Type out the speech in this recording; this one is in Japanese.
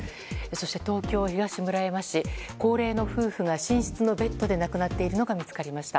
そして、東京・東村山市高齢の夫婦が寝室のベッドで亡くなっているのが見つかりました。